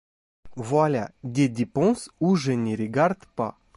Voilà des dépenses où je ne regarde pas.